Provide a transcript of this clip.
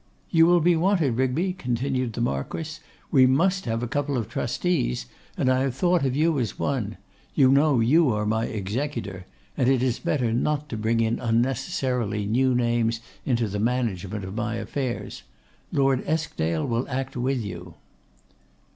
'You will be wanted, Rigby,' continued the Marquess. 'We must have a couple of trustees, and I have thought of you as one. You know you are my executor; and it is better not to bring in unnecessarily new names into the management of my affairs. Lord Eskdale will act with you.